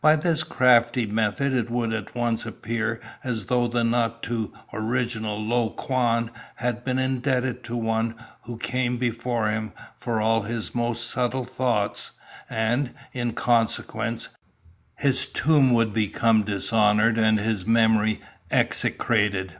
By this crafty method it would at once appear as though the not too original Lo Kuan had been indebted to one who came before him for all his most subtle thoughts, and, in consequence, his tomb would become dishonoured and his memory execrated.